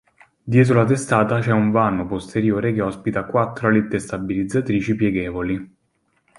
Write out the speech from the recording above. Dietro la testata c'è un vano posteriore che ospita quattro alette stabilizzatrici pieghevoli.